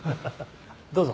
どうぞ。